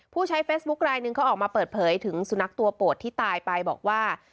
ผู้ใช้เฟซบุ๊คไลนึงเขาออกมาเปิดเผยถึงสุนัขตัวโปรดที่ตายไปบอกว่า